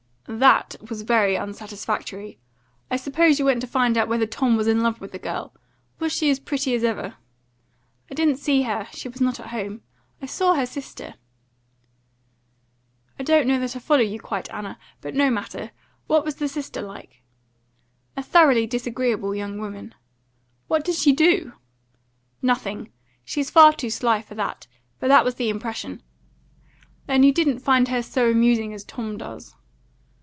"That was very unsatisfactory. I supposed you went to find out whether Tom was in love with the girl. Was she as pretty as ever?" "I didn't see her; she was not at home; I saw her sister." "I don't know that I follow you quite, Anna. But no matter. What was the sister like?" "A thoroughly disagreeable young woman." "What did she do?" "Nothing. She's far too sly for that. But that was the impression." "Then you didn't find her so amusing as Tom does?"